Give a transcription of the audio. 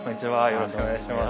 よろしくお願いします。